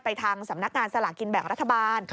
ทางสำนักงานสลากินแบ่งรัฐบาล